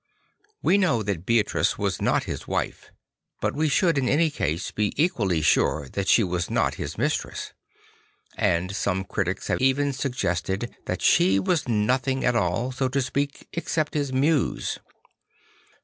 We know that Beatrice was not his wife, but we should in any case be equally sure that she was not his mistress; and some critics have even suggested that she was nothing at all, so to speak, except his muse.